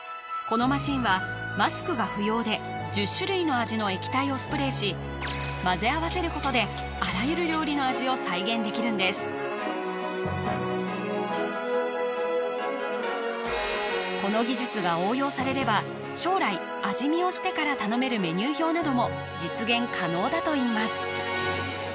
このマシンはマスクが不要で１０種類の味の液体をスプレーし混ぜ合わせることであらゆる料理の味を再現できるんですこの技術が応用されれば将来味見をしてから頼めるメニュー表なども実現可能だといいます